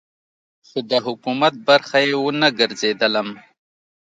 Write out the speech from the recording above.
خو د حکومت برخه یې ونه ګرځېدلم.